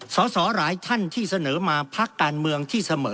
สอสอหลายท่านที่เสนอมาพักการเมืองที่เสมอ